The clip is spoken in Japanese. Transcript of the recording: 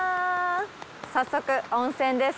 早速温泉です。